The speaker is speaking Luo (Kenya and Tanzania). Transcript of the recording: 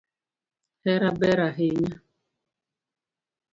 Hera ber ahinya